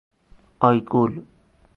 آیگل